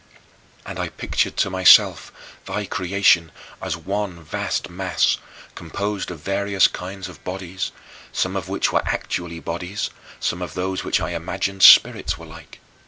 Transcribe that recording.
And I pictured to myself thy creation as one vast mass, composed of various kinds of bodies some of which were actually bodies, some of those which I imagined spirits were like.